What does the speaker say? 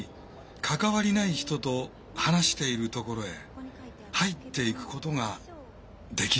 関わりない人と話しているところへ入っていくことができない。